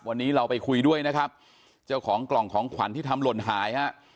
วันนี้เราไปคุยด้วยนะครับเจ้าของกล่องของขวัญที่ทำหล่นหายฮะ